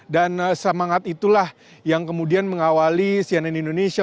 dan semangat itulah yang kemudian mengawali cnn indonesia